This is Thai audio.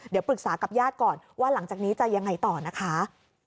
เดี๋ยวปรึกษากับญาติก่อนว่าหลังจากนี้จะยังไงต่อนะคะ